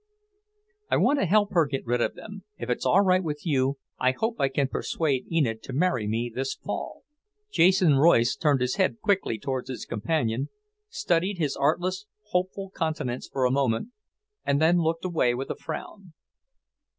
"I want to help her get rid of them. If it's all right with you, I hope I can persuade Enid to marry me this fall." Jason Royce turned his head quickly toward his companion, studied his artless, hopeful countenance for a moment, and then looked away with a frown.